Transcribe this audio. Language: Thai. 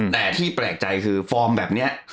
แต่ที่แปลกใจคือฟอร์มแบบนี้